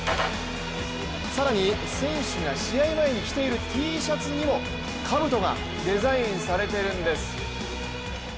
更に選手が試合前に着ているＴシャツにもかぶとがデザインされているんです。